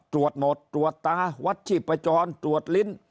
ตรวจหมดตรวจตาวัดชีพจรตรวจลิ้น